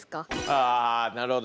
あなるほどね。